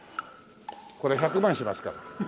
これ１００万しますから。